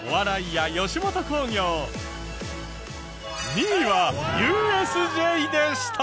２位はＵＳＪでした。